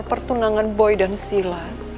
pertunangan boy dan sila